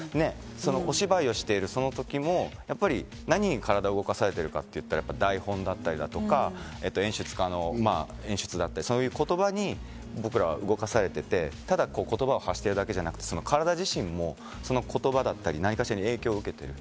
お芝居をしている、その時も何に体を動かされているかといったら台本だったりとか、演出家の演出だったり、そういう言葉に僕らは動かされていて、ただ言葉を発しているだけじゃなくて、体自身も言葉だったり何かしらに影響を受けている。